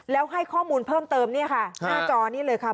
แล้วให้ข้อมูลเพิ่มเติมหน้าจอนี้เลยค่ะ